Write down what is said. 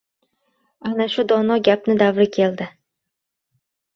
Ana shu dono gapni davri keldi: